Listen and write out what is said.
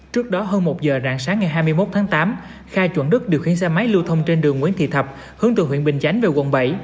trước đó hơn một giờ rạng sáng ngày hai mươi một tháng tám kha chuẩn đức điều khiển xe máy lưu thông trên đường nguyễn thị thập hướng từ huyện bình chánh về quận bảy